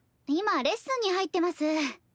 今レッスンに入ってます。